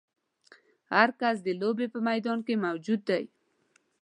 هر کس د لوبې په میدان کې موجود دی.